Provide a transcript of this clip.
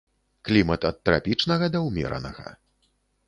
Клімат ад трапічнага да ўмеранага.